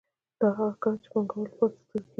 دا هغه کار دی چې د پانګوالو لپاره ترسره کېږي